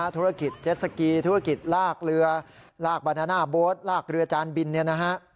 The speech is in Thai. ธุรกิจเจ็ตสกีธุรกิจลากเรือลากบานาน่าโบสต์ลากเรือจานบิน